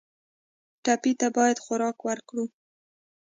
ټپي ته باید خوراک ورکړو.